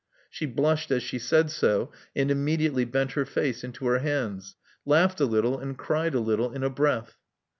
She blushed as she said so, and immediately bent her face into her hands; laughed a little and cried a little in a breath.